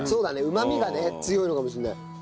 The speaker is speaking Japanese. うまみがね強いのかもしれない。